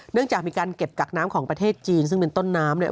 จากมีการเก็บกักน้ำของประเทศจีนซึ่งเป็นต้นน้ำเนี่ย